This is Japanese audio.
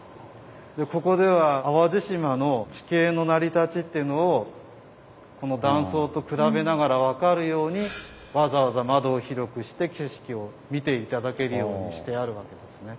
ここでは淡路島の地形の成り立ちっていうのをこの断層と比べながら分かるようにわざわざ窓を広くして景色を見て頂けるようにしてあるわけですね。